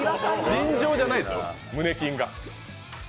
尋常じゃないですよ、胸筋が。